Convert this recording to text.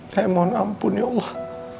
saya mohon ampun ya allah